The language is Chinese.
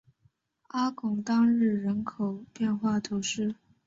阿贡当日人口变化图示